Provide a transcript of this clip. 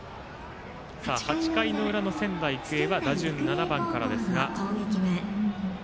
８回の裏の仙台育英は打順は７番からです。